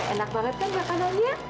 enak banget kan makanannya